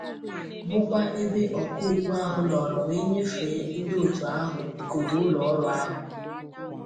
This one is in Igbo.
bụkwa ebe Ọkaokwu ahụ nọrọ wee nyefèé ndị òtù ahụ igodo ụlọọrụ ahụ.